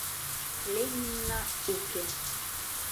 Ленинна уке.